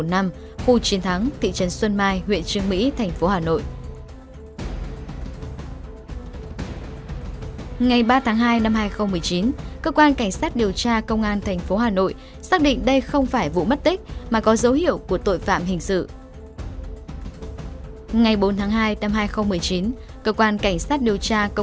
ngày bốn tháng hai năm hai nghìn một mươi chín cơ quan cảnh sát điều tra công an thành phố hà nội xác định đây không phải vụ mất tích mà có dấu hiệu của tội phạm hình sự